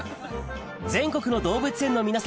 全国の動物園の皆様